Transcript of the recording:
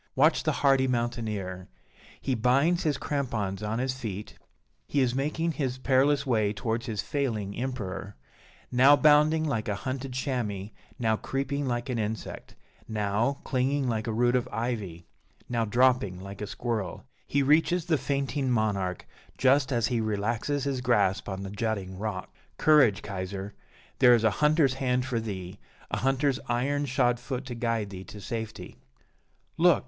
Watch the hardy mountaineer! He binds his crampons on his feet, he is making his perilous way towards his failing Emperor; now bounding like a hunted chamois; now creeping like an insect; now clinging like a root of ivy; now dropping like a squirrel: he reaches the fainting monarch just as he relaxes his grasp on the jutting rock. Courage, Kaiser! there is a hunter's hand for thee, a hunter's iron shod foot to guide thee to safety. Look!